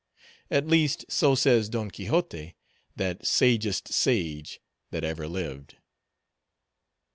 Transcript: At least, so says Don Quixote, that sagest sage that ever lived.